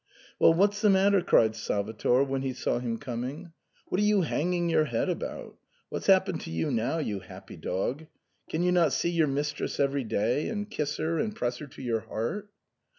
" Well, what's the matter ?" cried Salvator when he saw him coming, "what are you hanging your head about ? What's happened to you now, you happy dog ? can you not see your mistress every day, and kiss her and press her to your heart